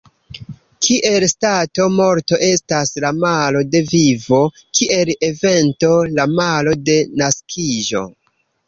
Kiel stato, morto estas la malo de vivo; kiel evento, la malo de naskiĝo.